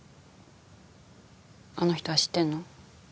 あの人は知ってんの？